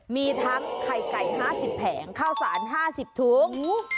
มีทั้งไข่ไก่๕๐แผงข้าวสาร๕๐ถุง